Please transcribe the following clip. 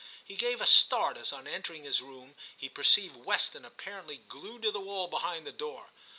He gave a start as on entering his room he perceived Weston apparently glued to the wall behind the door.